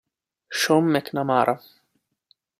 Sean McNamara